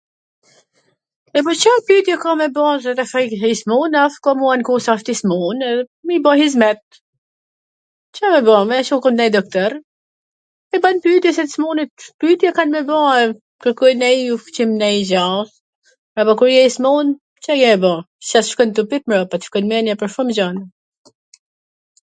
E po Ca pyetje ka me bo nnw i smun, ... kush asht i smun ... edhe me i ba hizmet, Ca me ba? me e Cu ke nonj doktor, i ban pytje se t smunit, pytje kam me ba, kwrkoj nanj gja, e po kur je i smun Ca je me bo, se t shkon te tut mbrapa, t shkon men-ja pwr shum gjana.